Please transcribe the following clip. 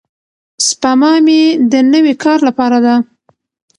سپما مې د نوي کار لپاره ده.